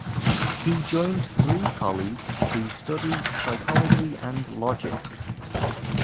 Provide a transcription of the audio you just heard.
He joined three colleagues to study psychology and logic.